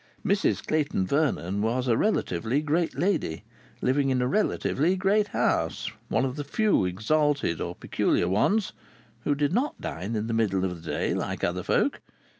Mrs Clayton Vernon was a relatively great lady, living in a relatively great house; one of the few exalted or peculiar ones who did not dine in the middle of the day like other folk.